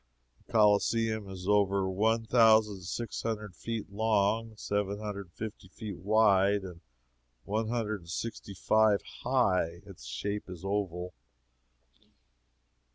The Coliseum is over one thousand six hundred feet long, seven hundred and fifty wide, and one hundred and sixty five high. Its shape is oval.